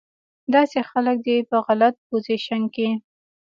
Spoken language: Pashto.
داسې خلک دې پۀ غلط پوزيشن کښې